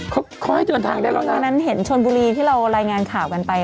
เขาค่อยเจอทางได้แล้วนะแม่งั้นเห็นชนบุรีที่เราลายงานข่าวกันไป